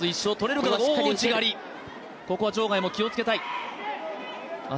ここは場外も気をつけたい。